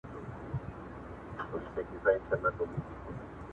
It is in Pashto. انسان په هويت کي تولد کېږي